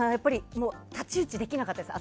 太刀打ちできなかったです。